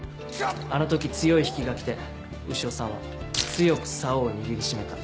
あの時強い引きが来て潮さんは強く竿を握り締めた。